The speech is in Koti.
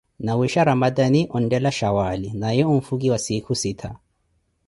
Nawiisha ramatani, onteela shawaali, naye onfukiwa siikho sittha.